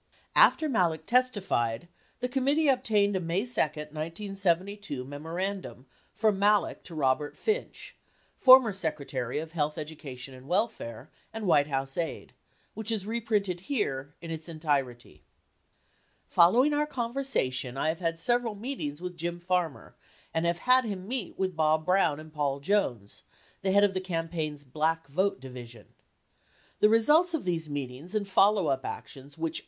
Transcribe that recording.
70 After Malek testified, the committee obtained a May 2, 1972, memo randum 71 from Malek to Robert Finch, former Secretary of Health, Education, and Welfare and White House aide, which is reprinted here in its entirety : Following our conversation I have had several meetings with Jim Farmer and have had him meet, with Bob Brown and Paul Jones (the head of the campaign's Black Vote Di vision). The results of these meetings and follow up actions which.